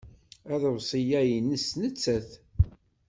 Aḍebsi-a nnes nettat.